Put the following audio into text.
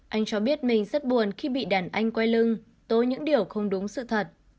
anh cho biết mình rất buồn khi bị đàn anh quay lưng tố những điều không đúng sự thật